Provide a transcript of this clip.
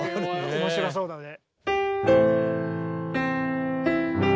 面白そうだね。